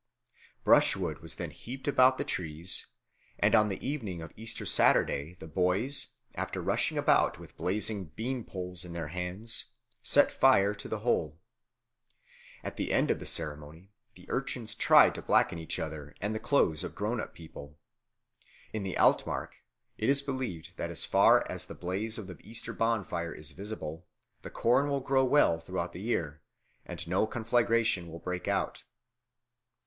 Brush wood was then heaped about the trees, and on the evening of Easter Saturday the boys, after rushing about with blazing bean poles in their hands, set fire to the whole. At the end of the ceremony the urchins tried to blacken each other and the clothes of grown up people. In the Altmark it is believed that as far as the blaze of the Easter bonfire is visible, the corn will grow well throughout the year, and no conflagration will break out.